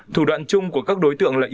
thủ đoạn chung của các đối tượng lợi dụng